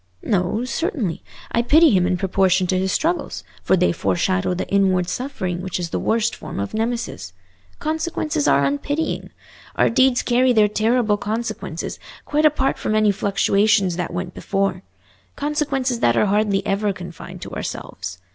"No, certainly; I pity him in proportion to his struggles, for they foreshadow the inward suffering which is the worst form of Nemesis. Consequences are unpitying. Our deeds carry their terrible consequences, quite apart from any fluctuations that went before—consequences that are hardly ever confined to ourselves.